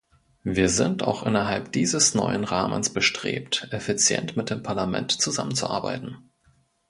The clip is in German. Wir sind auch innerhalb dieses neuen Rahmens bestrebt, effizient mit dem Parlament zusammenzuarbeiten.